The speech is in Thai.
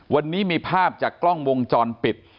วันนี้มีภาพจากกล้องวงจรปิด